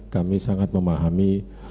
kami sangat memahami